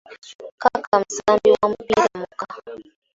“Kaka” musambi wa mupiira muka!